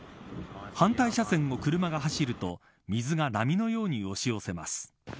反対車線を車が走ると水が波のように押し寄せます。